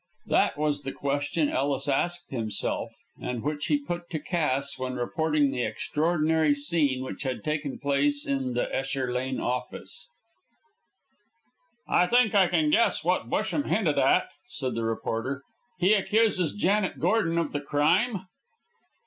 That was the question Ellis asked himself, and which he put to Cass when reporting the extraordinary scene which had taken place in the Esher Lane office. "I think I can guess what Busham hinted at," said the reporter. "He accuses Janet Gordon of the crime?"